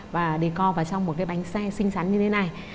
và đề co vào trong một cái bánh xe xinh xắn như thế này